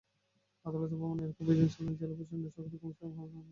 আদালত ভবন এলাকায় অভিযান চালান জেলা প্রশাসনের সহকারী কমিশনার মোহাম্মদ রুহুল আমিন।